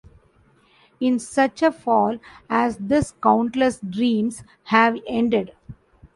In such a fall as this countless dreams have ended.